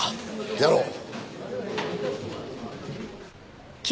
やろう。